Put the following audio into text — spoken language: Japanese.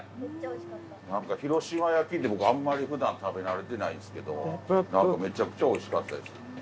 広島焼きって僕あんまり普段食べ慣れてないんすけどめちゃくちゃおいしかったです。